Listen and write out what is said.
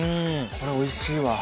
これおいしいわ。